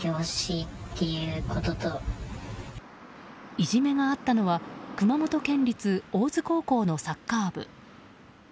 いじめがあったのは熊本県立大津高校のサッカー部。